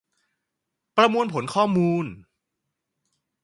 ประมวลผลข้อมูล